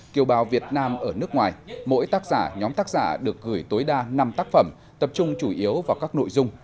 kiều bào việt nam ở nước ngoài mỗi tác giả nhóm tác giả được gửi tối đa năm tác phẩm tập trung chủ yếu vào các nội dung